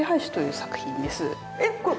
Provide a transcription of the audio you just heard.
えっこれ